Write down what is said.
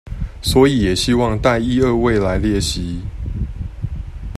所以也希望帶一二位來列席